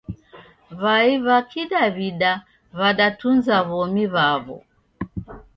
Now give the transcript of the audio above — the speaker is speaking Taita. W'ai w'a kidaw'ida w'adatunza w'omi w'aw'o.